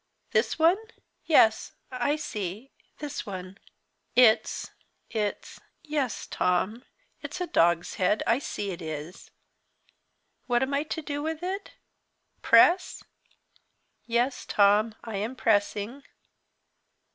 This one? Yes, I see this one. It's it's yes, Tom, it's a dog's head, I see it is. What am I to do with it? Press? Yes, Tom, I am pressing.